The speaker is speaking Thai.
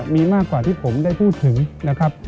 มีมากกว่าที่ผมได้พูดถึงนะครับ